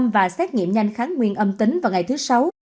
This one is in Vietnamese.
và xét nghiệm nhanh kháng nguyên âm tính vào ngày thứ sáu